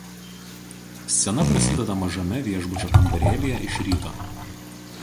Scena prasideda mažame viešbučio kambarėlyje iš ryto.